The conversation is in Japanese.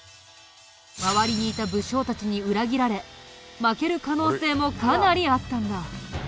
周りにいた武将たちに裏切られ負ける可能性もかなりあったんだ。